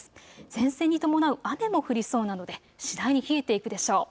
前線に伴う雨も降りそうなので次第に冷えていくでしょう。